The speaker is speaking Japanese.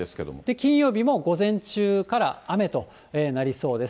金曜日も午前中から雨となりそうです。